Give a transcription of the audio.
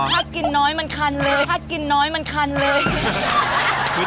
ถ้ากินน้อยมันคันเลย